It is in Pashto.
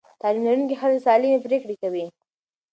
تعلیم لرونکې ښځې سالمې پرېکړې کوي.